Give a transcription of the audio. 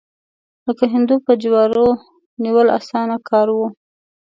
لکه هندو په جوارو نیول، اسانه کار و.